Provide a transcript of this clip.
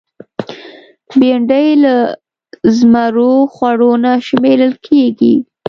بېنډۍ له زمرو خوړو نه شمېرل کېږي